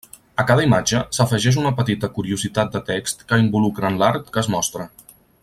A cada imatge, s'afegeix una petita curiositat de text que involucren l'art que es mostra.